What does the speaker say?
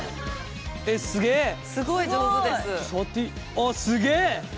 あっすげえ！